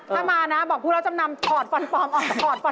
ถ้ามานะบอกผู้รับจำนำถอดฟันฟอมออก